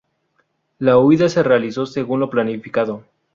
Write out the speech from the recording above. La huida se realizó según lo planificado.